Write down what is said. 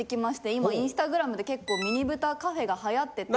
今インスタグラムで結構ミニブタカフェが流行ってて。